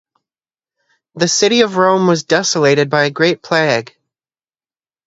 The city of Rome was desolated by a great plague.